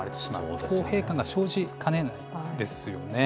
不公平感が生じかねないですよね。